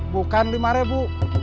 bukan lima ribu